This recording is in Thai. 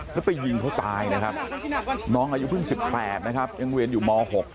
แล้วไปยิงเขาตายนะครับน้องอายุเพิ่ง๑๘นะครับยังเรียนอยู่ม๖